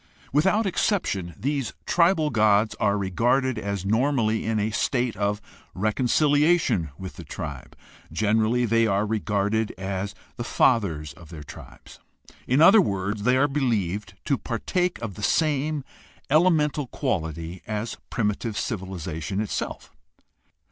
Without exception these tribal gods are regarded as normally in a state of reconciliation with the tribe. Generally they are regarded as the fathers of their tribes. In other words, they are believed to partake of the same elemental quality as primitive civilization itself.